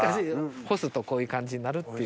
干すとこういう感じになるっていう。